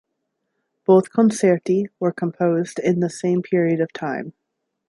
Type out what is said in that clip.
Both concerti were composed in the same period of time.